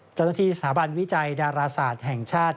เจ้าหน้าที่สถาบันวิจัยดาราศาสตร์แห่งชาติ